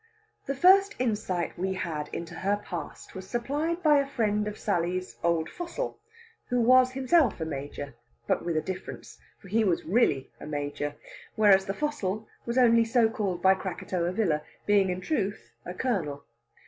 The first insight we had into her past was supplied by a friend of Sally's "old fossil," who was himself a Major, but with a difference. For he was really a Major, whereas the fossil was only called so by Krakatoa Villa, being in truth a Colonel.